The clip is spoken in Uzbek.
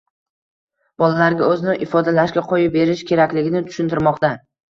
bolalarga o‘zini ifodalashga qo‘yib berish kerakligini tushuntirmoqda.